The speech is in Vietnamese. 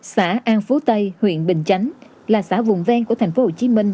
xã an phú tây huyện bình chánh là xã vùng ven của tp hcm